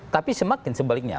tapi semakin sebaliknya